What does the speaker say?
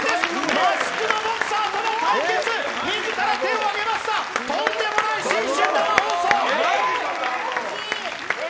マスク・ド・ボクサーとの対決、自ら手を挙げました、とんでもない新春生放送。